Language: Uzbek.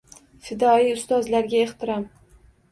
Fidoyi ustozlarga ehtirom